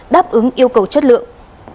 đáp ứng yêu cầu chất lượng